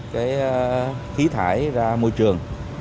khí thải ra môi trường